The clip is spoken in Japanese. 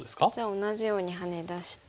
同じようにハネ出して。